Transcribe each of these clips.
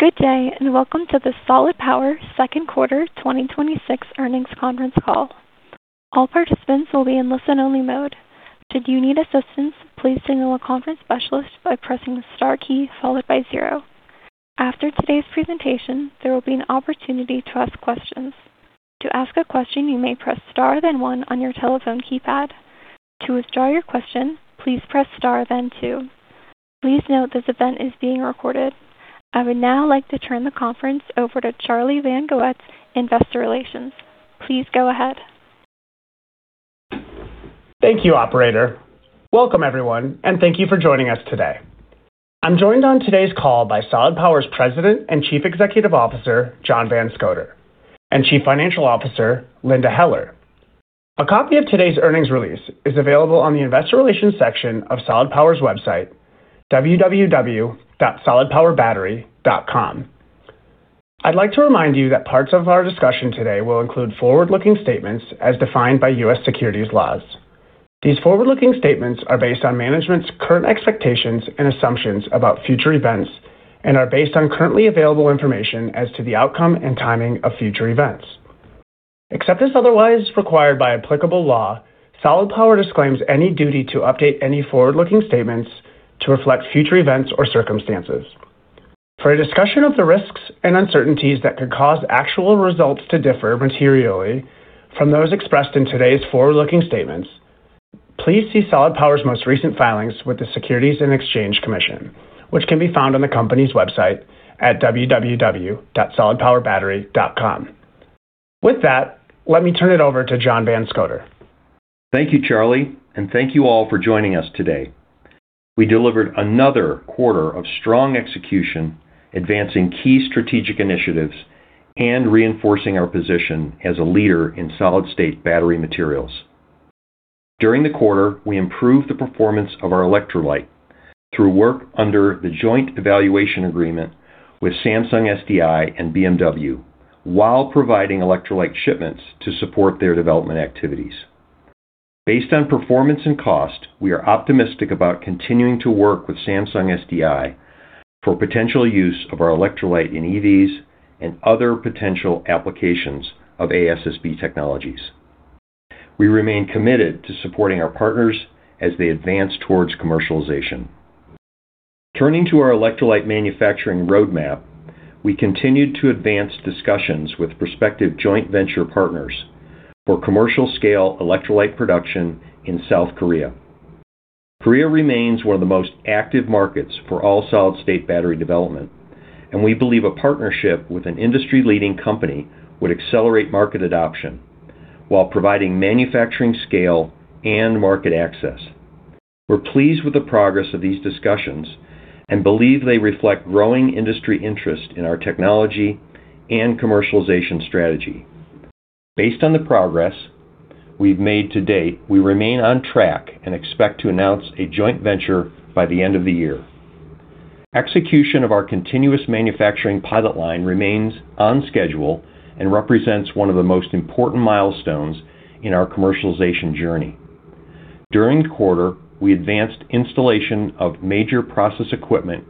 Good day. Welcome to the Solid Power Q2 2026 earnings conference call. All participants will be in listen only mode. Should you need assistance, please signal a conference specialist by pressing star key followed by zero. After today's presentation, there will be an opportunity to ask questions. To ask a question, you may press star, then one on your telephone keypad. To withdraw your question, please press star, then two. Please note this event is being recorded. I would now like to turn the conference over to Charlie Van Goetz, investor relations. Please go ahead. Thank you, operator. Welcome everyone. Thank you for joining us today. I'm joined on today's call by Solid Power's President and Chief Executive Officer, John Van Scoter, and Chief Financial Officer, Linda Heller. A copy of today's earnings release is available on the investor relations section of Solid Power's website, www.solidpowerbattery.com. I'd like to remind you that parts of our discussion today will include forward-looking statements as defined by U.S. securities laws. These forward-looking statements are based on management's current expectations and assumptions about future events and are based on currently available information as to the outcome and timing of future events. Except as otherwise required by applicable law, Solid Power disclaims any duty to update any forward-looking statements to reflect future events or circumstances. For a discussion of the risks and uncertainties that could cause actual results to differ materially from those expressed in today's forward-looking statements, please see Solid Power's most recent filings with the Securities and Exchange Commission, which can be found on the company's website at www.solidpowerbattery.com. With that, let me turn it over to John Van Scoter. Thank you, Charlie. Thank you all for joining us today. We delivered another quarter of strong execution, advancing key strategic initiatives and reinforcing our position as a leader in solid-state battery materials. During the quarter, we improved the performance of our electrolyte through work under the joint evaluation agreement with Samsung SDI and BMW while providing electrolyte shipments to support their development activities. Based on performance and cost, we are optimistic about continuing to work with Samsung SDI for potential use of our electrolyte in EVs and other potential applications of ASSB technologies. We remain committed to supporting our partners as they advance towards commercialization. Turning to our electrolyte manufacturing roadmap, we continued to advance discussions with prospective joint venture partners for commercial scale electrolyte production in South Korea. Korea remains one of the most active markets for all solid-state battery development, we believe a partnership with an industry-leading company would accelerate market adoption while providing manufacturing scale and market access. We're pleased with the progress of these discussions and believe they reflect growing industry interest in our technology and commercialization strategy. Based on the progress we've made to date, we remain on track and expect to announce a joint venture by the end of the year. Execution of our continuous manufacturing pilot line remains on schedule and represents one of the most important milestones in our commercialization journey. During the quarter, we advanced installation of major process equipment,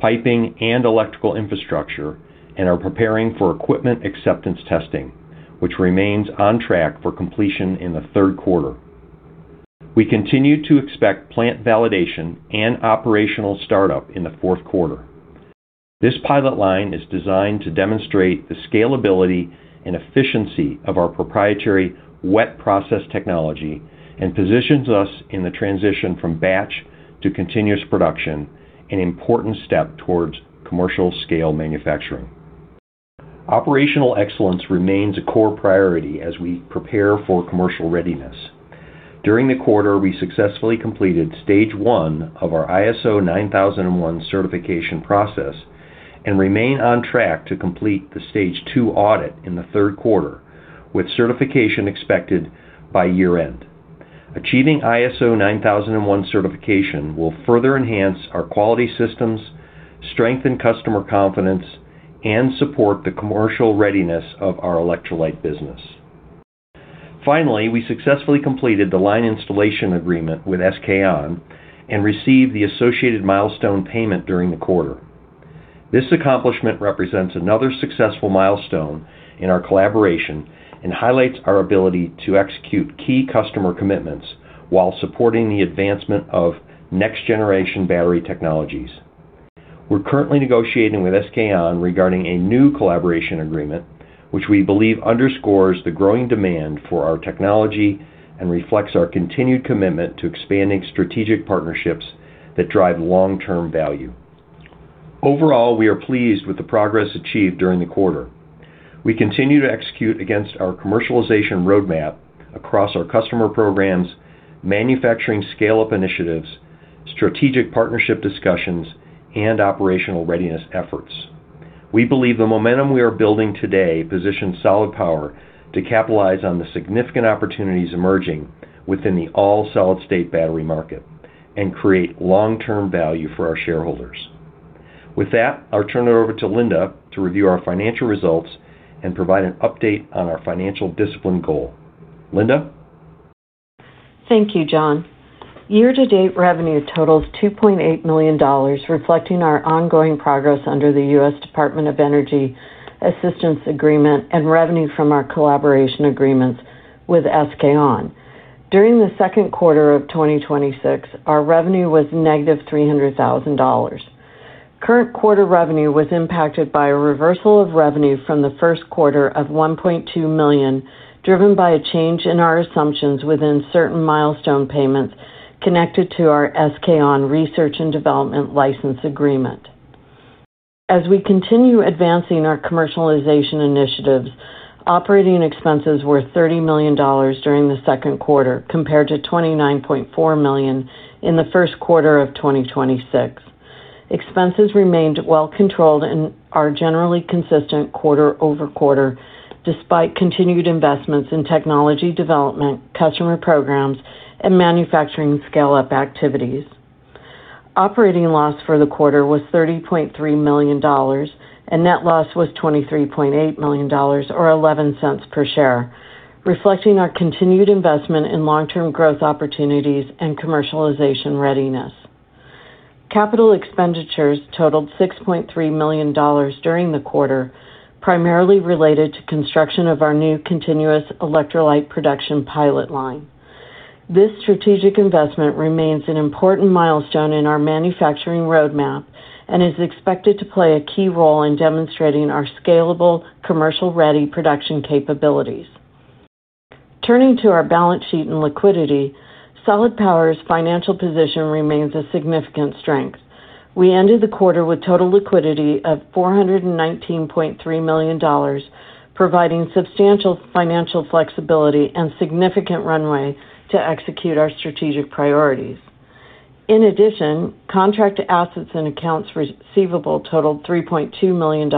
piping, and electrical infrastructure, are preparing for equipment acceptance testing, which remains on track for completion in the Q3. We continue to expect plant validation and operational startup in the Q4. This pilot line is designed to demonstrate the scalability and efficiency of our proprietary wet process technology and positions us in the transition from batch to continuous production, an important step towards commercial scale manufacturing. Operational excellence remains a core priority as we prepare for commercial readiness. During the quarter, we successfully completed stage one of our ISO 9001 certification process and remain on track to complete the stage two audit in the Q3, with certification expected by year-end. Achieving ISO 9001 certification will further enhance our quality systems, strengthen customer confidence, and support the commercial readiness of our electrolyte business. Finally, we successfully completed the line installation agreement with SK On and received the associated milestone payment during the quarter. This accomplishment represents another successful milestone in our collaboration and highlights our ability to execute key customer commitments while supporting the advancement of next generation battery technologies. We're currently negotiating with SK On regarding a new collaboration agreement, which we believe underscores the growing demand for our technology and reflects our continued commitment to expanding strategic partnerships that drive long-term value. Overall, we are pleased with the progress achieved during the quarter. We continue to execute against our commercialization roadmap across our customer programs, manufacturing scale-up initiatives, strategic partnership discussions, and operational readiness efforts. We believe the momentum we are building today positions Solid Power to capitalize on the significant opportunities emerging within the all solid-state battery market and create long-term value for our shareholders. With that, I'll turn it over to Linda to review our financial results and provide an update on our financial discipline goal. Linda? Thank you, John. Year-to-date revenue totals $2.8 million, reflecting our ongoing progress under the U.S. Department of Energy Assistance Agreement and revenue from our collaboration agreements with SK On. During the Q2 of 2026, our revenue was negative $300,000. Current quarter revenue was impacted by a reversal of revenue from the Q1 of $1.2 million, driven by a change in our assumptions within certain milestone payments connected to our SK On research and development license agreement. As we continue advancing our commercialization initiatives, operating expenses were $30 million during the Q2, compared to $29.4 million in the Q1 of 2026. Expenses remained well controlled and are generally consistent quarter-over-quarter, despite continued investments in technology development, customer programs, and manufacturing scale-up activities. Operating loss for the quarter was $30.3 million, and net loss was $23.8 million or $0.11 per share, reflecting our continued investment in long-term growth opportunities and commercialization readiness. Capital expenditures totaled $6.3 million during the quarter, primarily related to construction of our new continuous electrolyte production pilot line. This strategic investment remains an important milestone in our manufacturing roadmap and is expected to play a key role in demonstrating our scalable, commercial-ready production capabilities. Turning to our balance sheet and liquidity, Solid Power's financial position remains a significant strength. We ended the quarter with total liquidity of $419.3 million, providing substantial financial flexibility and significant runway to execute our strategic priorities. In addition, contract assets and accounts receivable totaled $3.2 million,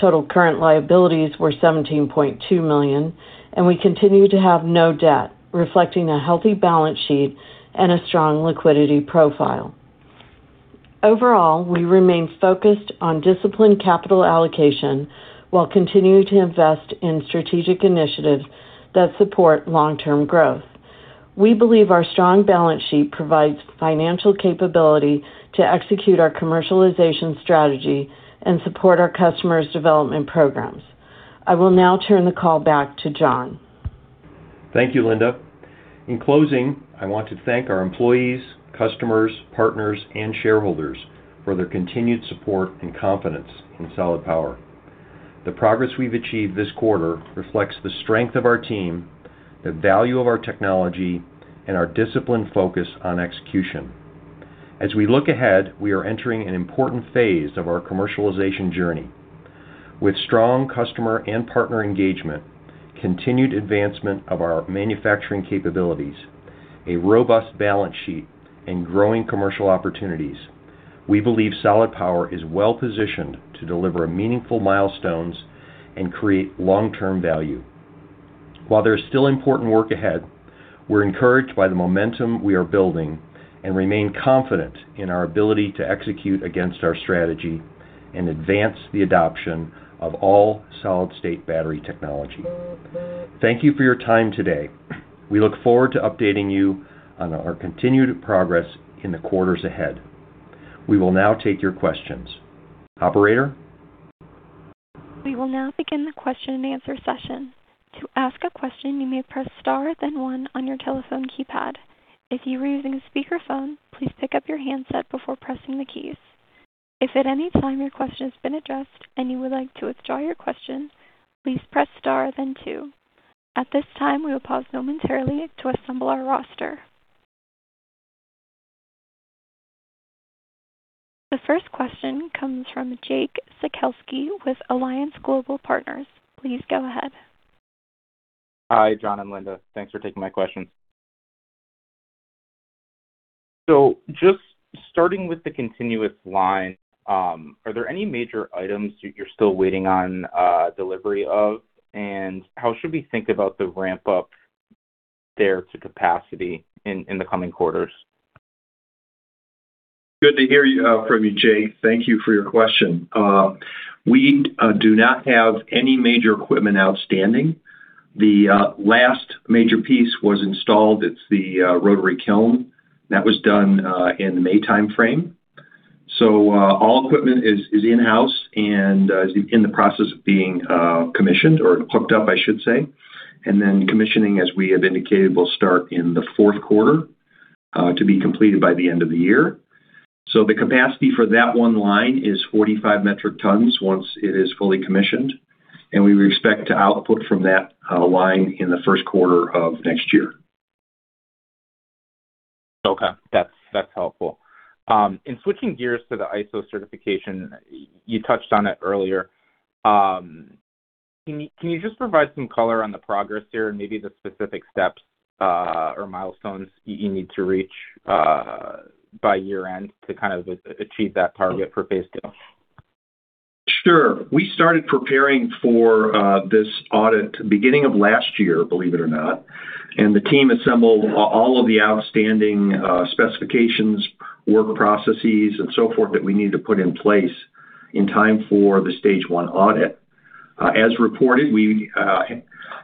total current liabilities were $17.2 million. We continue to have no debt, reflecting a healthy balance sheet and a strong liquidity profile. Overall, we remain focused on disciplined capital allocation while continuing to invest in strategic initiatives that support long-term growth. We believe our strong balance sheet provides financial capability to execute our commercialization strategy and support our customers' development programs. I will now turn the call back to John. Thank you, Linda. In closing, I want to thank our employees, customers, partners, and shareholders for their continued support and confidence in Solid Power. The progress we've achieved this quarter reflects the strength of our team, the value of our technology, and our disciplined focus on execution. As we look ahead, we are entering an important phase of our commercialization journey. With strong customer and partner engagement, continued advancement of our manufacturing capabilities, a robust balance sheet, and growing commercial opportunities, we believe Solid Power is well-positioned to deliver meaningful milestones and create long-term value. While there is still important work ahead, we are encouraged by the momentum we are building and remain confident in our ability to execute against our strategy and advance the adoption of all solid-state battery technology. Thank you for your time today. We look forward to updating you on our continued progress in the quarters ahead. We will now take your questions. Operator? We will now begin the question and answer session. To ask a question, you may press star then one on your telephone keypad. If you are using a speakerphone, please pick up your handset before pressing the keys. If at any time your question has been addressed and you would like to withdraw your question, please press star then two. At this time, we will pause momentarily to assemble our roster. The first question comes from Jake Sekelsky with Alliance Global Partners. Please go ahead. Hi, John and Linda. Thanks for taking my questions. Just starting with the continuous line, are there any major items you're still waiting on delivery of? How should we think about the ramp-up there to capacity in the coming quarters? Good to hear from you, Jake. Thank you for your question. We do not have any major equipment outstanding. The last major piece was installed. It's the rotary kiln. That was done in the May timeframe. All equipment is in-house and is in the process of being commissioned or hooked up, I should say. Then commissioning, as we have indicated, will start in the Q4 to be completed by the end of the year. The capacity for that one line is 45 metric tons once it is fully commissioned, and we expect to output from that line in the Q1 of next year. Okay. That's helpful. In switching gears to the ISO certification, you touched on it earlier. Can you just provide some color on the progress here and maybe the specific steps or milestones you need to reach by year-end to kind of achieve that target for phase II? Sure. We started preparing for this audit beginning of last year, believe it or not, the team assembled all of the outstanding specifications, work processes, and so forth that we needed to put in place in time for the stage one audit. As reported, we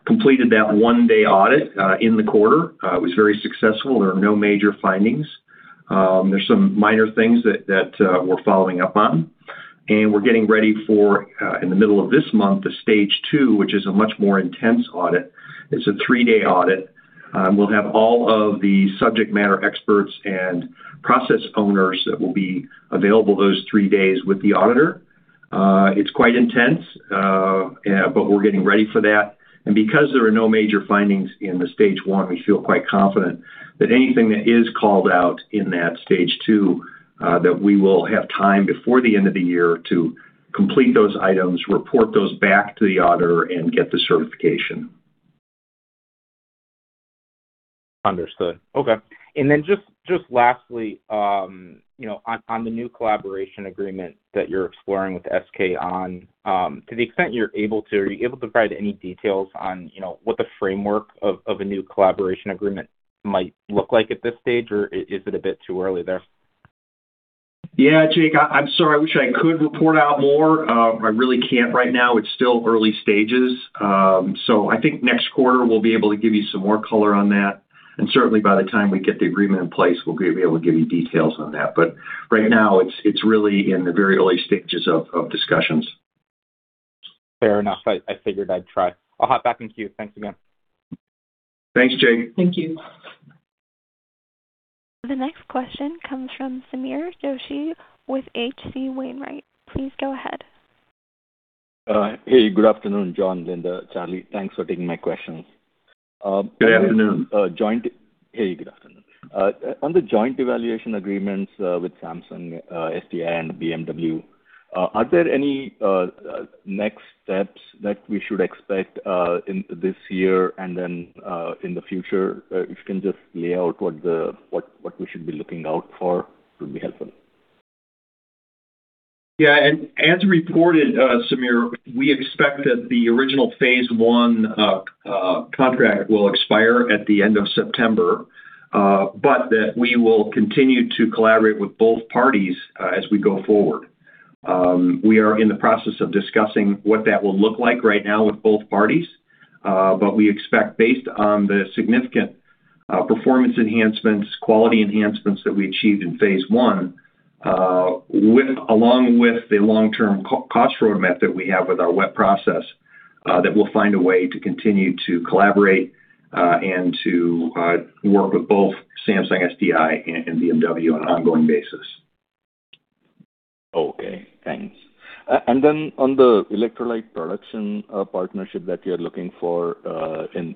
completed that one-day audit in the quarter. It was very successful. There were no major findings. There's some minor things that we're following up on. We're getting ready for, in the middle of this month, the stage two, which is a much more intense audit. It's a three-day audit. We'll have all of the subject matter experts and process owners that will be available those three days with the auditor. It's quite intense, but we're getting ready for that. Because there are no major findings in the stage one, we feel quite confident that anything that is called out in that stage two, that we will have time before the end of the year to complete those items, report those back to the auditor, and get the certification. Understood. Okay. Then just lastly, on the new collaboration agreement that you're exploring with SK On, to the extent you're able to, are you able to provide any details on what the framework of a new collaboration agreement might look like at this stage, or is it a bit too early there? Yeah. Jake, I'm sorry. I wish I could report out more. I really can't right now. It's still early stages. I think next quarter we'll be able to give you some more color on that, and certainly by the time we get the agreement in place, we'll be able to give you details on that. Right now, it's really in the very early stages of discussions. Fair enough. I figured I'd try. I'll hop back in queue. Thanks again. Thanks, Jake. Thank you. The next question comes from Sameer Joshi with H.C. Wainwright. Please go ahead. Hey, good afternoon John, Linda, Charlie. Thanks for taking my questions. Good afternoon. Hey, good afternoon. On the joint evaluation agreements with Samsung SDI and BMW, are there any next steps that we should expect in this year and then in the future? If you can just lay out what we should be looking out for, it would be helpful. Yeah. As reported, Sameer, we expect that the original phase one contract will expire at the end of September, but that we will continue to collaborate with both parties as we go forward. We are in the process of discussing what that will look like right now with both parties. We expect based on the significant performance enhancements, quality enhancements that we achieved in phase I, along with the long-term cost road map that we have with our wet process, that we'll find a way to continue to collaborate, and to work with both Samsung SDI and BMW on an ongoing basis. Okay, thanks. On the electrolyte production partnership that you're looking for in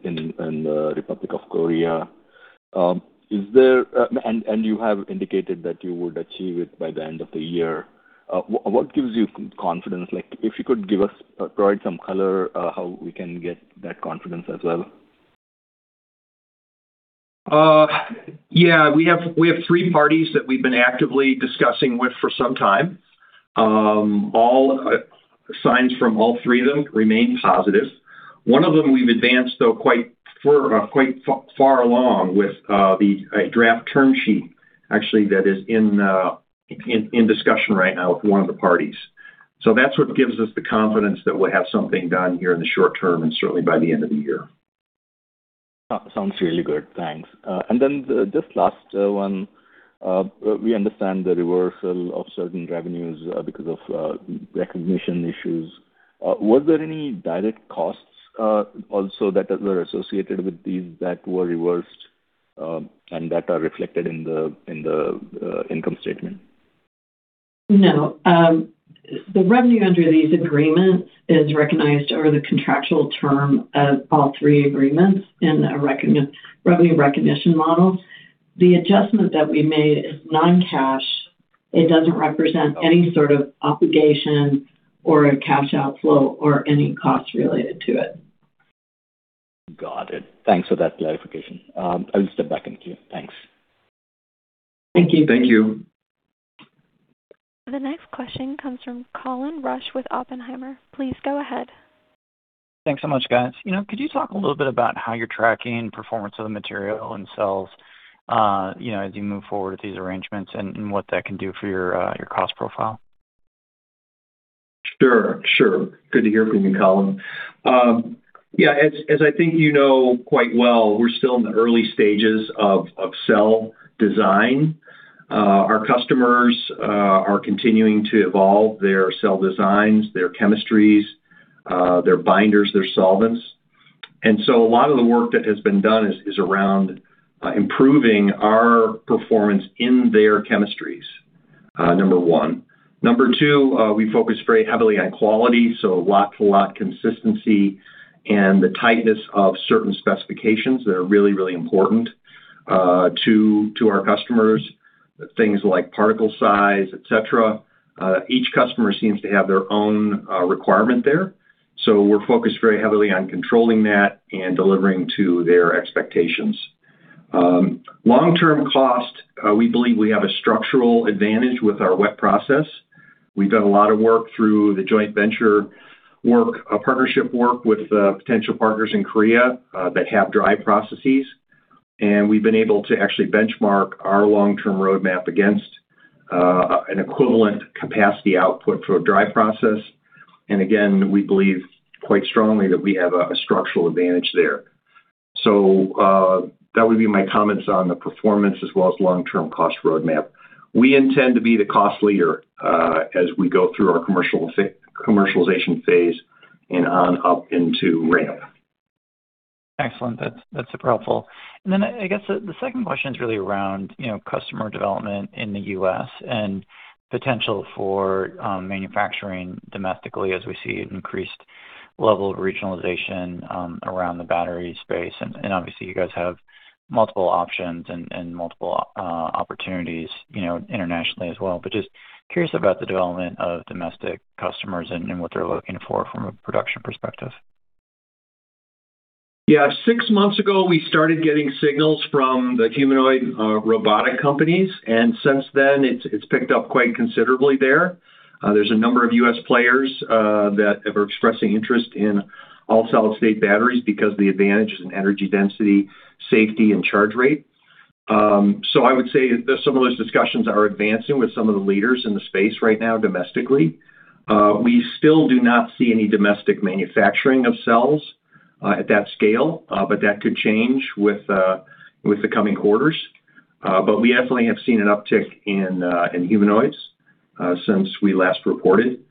the Republic of Korea, you have indicated that you would achieve it by the end of the year, what gives you confidence? If you could provide some color how we can get that confidence as well. We have three parties that we've been actively discussing with for some time. Signs from all three of them remain positive. One of them we've advanced, though, quite far along with the draft term sheet actually that is in discussion right now with one of the parties. That's what gives us the confidence that we'll have something done here in the short term and certainly by the end of the year. Sounds really good. Thanks. The just last one. We understand the reversal of certain revenues because of recognition issues. Was there any direct costs also that were associated with these that were reversed and that are reflected in the income statement? No. The revenue under these agreements is recognized over the contractual term of all three agreements in a revenue recognition model. The adjustment that we made is non-cash. It doesn't represent any sort of obligation or a cash outflow or any cost related to it. Got it. Thanks for that clarification. I'll step back in queue. Thanks. Thank you. Thank you. The next question comes from Colin Rusch with Oppenheimer. Please go ahead. Thanks so much, guys. Could you talk a little bit about how you're tracking performance of the material and cells as you move forward with these arrangements and what that can do for your cost profile? Sure. Good to hear from you, Colin. Yeah, as I think you know quite well, we're still in the early stages of cell design. Our customers are continuing to evolve their cell designs, their chemistries, their binders, their solvents. A lot of the work that has been done is around improving our performance in their chemistries, number one. Number two, we focus very heavily on quality, so lot-to-lot consistency and the tightness of certain specifications that are really, really important to our customers. Things like particle size, et cetera. Each customer seems to have their own requirement there. We're focused very heavily on controlling that and delivering to their expectations. Long-term cost, we believe we have a structural advantage with our wet process. We've done a lot of work through the joint venture work, partnership work with potential partners in Korea that have dry processes. We've been able to actually benchmark our long-term roadmap against an equivalent capacity output for a dry process. Again, we believe quite strongly that we have a structural advantage there. That would be my comments on the performance as well as long-term cost roadmap. We intend to be the cost leader as we go through our commercialization phase and on up into ramp. Excellent. That's super helpful. Then I guess the second question is really around customer development in the U.S. and potential for manufacturing domestically as we see an increased level of regionalization around the battery space. Obviously you guys have multiple options and multiple opportunities internationally as well. Just curious about the development of domestic customers and what they're looking for from a production perspective. Yeah. Six months ago, we started getting signals from the humanoid robotic companies, and since then, it's picked up quite considerably there. There's a number of U.S. players that are expressing interest in all solid-state batteries because the advantages in energy density, safety, and charge rate. I would say that some of those discussions are advancing with some of the leaders in the space right now domestically. We still do not see any domestic manufacturing of cells at that scale, but that could change with the coming quarters. We definitely have seen an uptick in humanoids since we last reported.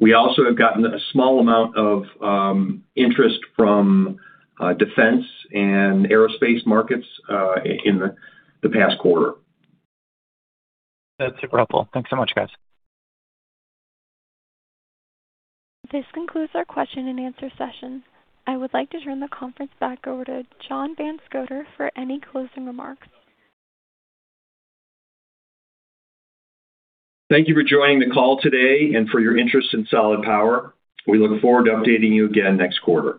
We also have gotten a small amount of interest from defense and aerospace markets in the past quarter. That's super helpful. Thanks so much, guys. This concludes our question and answer session. I would like to turn the conference back over to John Van Scoter for any closing remarks. Thank you for joining the call today and for your interest in Solid Power. We look forward to updating you again next quarter.